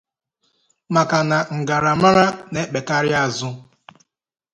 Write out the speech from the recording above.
maka na mgaramara na-ekpèkarị azụ.